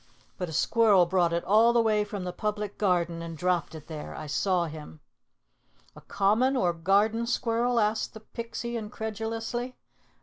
But a squirrel brought it all the way from the Public Garden and dropped it there. I saw him." "A common or garden squirrel?" asked the Pixie incredulously.